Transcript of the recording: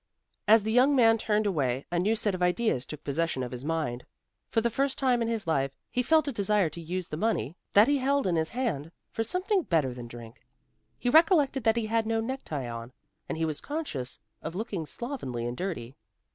As the young man turned away, a new set of ideas took possession of his mind. For the first time in his life, he felt a desire to use the money that he held in his hand, for something better than drink. He recollected that he had no necktie on, and he was conscious of looking slovenly and dirty.